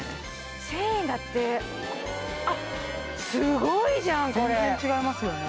１０００円だってあっすごいじゃんこれ全然違いますよね